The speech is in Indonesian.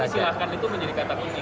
tapi silahkan itu menjadi kata unik